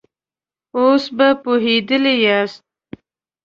اوس به پوهېدلي ياست.